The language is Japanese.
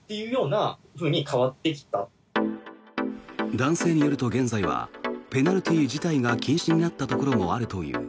男性によると現在はペナルティー自体が禁止になったところもあるという。